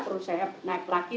terus saya naik lagi